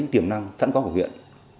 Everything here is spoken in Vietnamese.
tiềm năng sẵn có của huyện